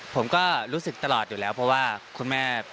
ผมก็รู้สึกตลอดอยู่แล้วเพราะว่าคุณแม่